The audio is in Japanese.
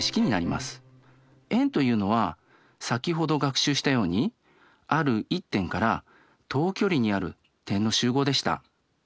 円というのは先ほど学習したようにある１点から等距離にある点の集合でした。